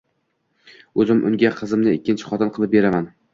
O`zim unga qizimni ikkinchi xotin qilib beraman